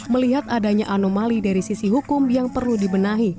melihat adanya anomali dari sisi hukum yang perlu dibenahi